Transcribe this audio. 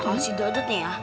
tau si dudut nih ya